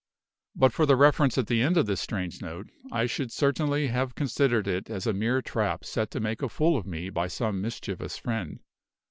But for the reference at the end of this strange note, I should certainly have considered it as a mere trap set to make a fool of me by some mischievous friend.